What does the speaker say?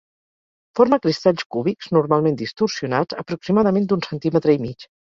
Forma cristalls cúbics, normalment distorsionats, aproximadament d'un centímetre i mig.